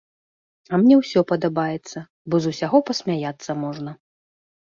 А мне ўсё падабаецца, бо з усяго пасмяяцца можна.